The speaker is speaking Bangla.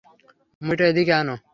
মইটা এদিকে আনো।